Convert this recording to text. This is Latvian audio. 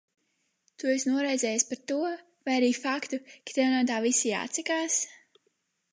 Tu esi noraizējies par to, vai arī faktu, ka tev no tā visa jāatsakās?